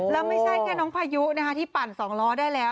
แล้วไม่ใช่แค่น้องพายุนะคะที่ปั่น๒ล้อได้แล้ว